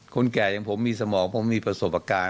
คนแก่อย่างผมมีสมองผมมีผสมพักกาย